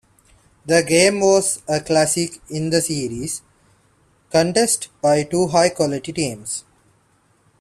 The game was a classic in the series, contested by two high-quality teams.